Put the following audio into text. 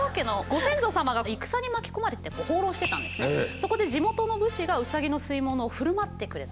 そこで地元の武士がウサギの吸い物を振る舞ってくれた。